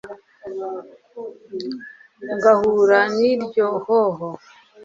ngahura n'iryo hoho